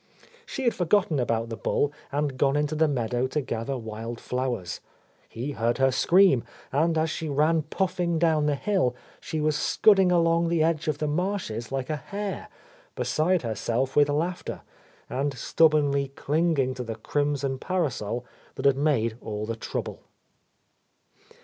She had forgotten about the bull and gone into the meadow to gather* wild flowers. He heard her scream, and as he ran pufiing down the hill, she was scudding along the edge of the marshes like a hare, beside herself with laughter, and stubbornly clinging to the crimson parasol that had made all the trouble.